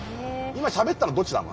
今しゃべったのどっちなの？